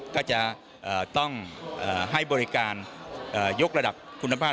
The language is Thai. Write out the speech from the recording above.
ก็จะต้องให้บริการยกระดับคุณภาพ